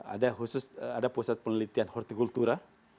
ada khusus ada pusat penelitian hortikultura